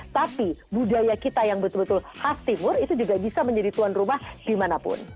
tapi budaya kita yang betul betul khas timur itu juga bisa menjadi tuan rumah dimanapun